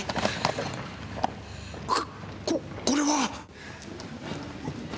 ここれは！？